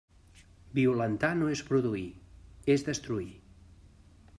Violentar no és produir, és destruir.